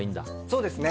そうですね。